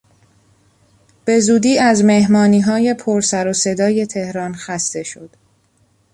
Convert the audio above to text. به زودی از مهمانیهای پر سر و صدای تهران خسته شد.